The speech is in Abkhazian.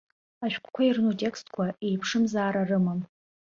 Ашәҟәқәа ирну атекстқәа еиԥшымзаара рымам.